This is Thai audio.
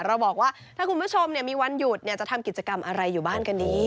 บอกว่าถ้าคุณผู้ชมมีวันหยุดจะทำกิจกรรมอะไรอยู่บ้านกันดี